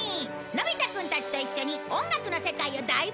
のび太くんたちと一緒に音楽の世界を大冒険するよ！